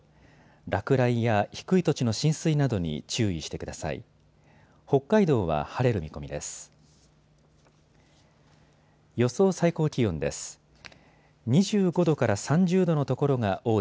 落雷や低い土地の浸水などに注意してください。